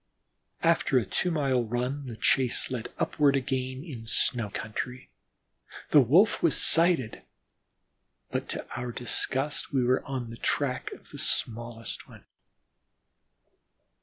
After a two mile run the chase led upward again in snow country; the Wolf was sighted, but to our disgust, we were on the track of the smallest one.